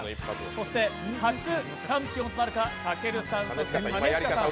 そして、初チャンピオンとなるかたけるさん、そして兼近さん。